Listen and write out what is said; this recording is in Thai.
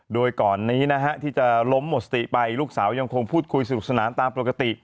โดยก่อนนี้นะฮะที่จะล้มหมดสติไปลูกสาวยังคงพูดคุยสนุกสนานตามปกติ